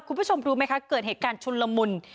คุณผู้ชมรู้ไหมคะเกิดเหตุการณ์ชุนละมุน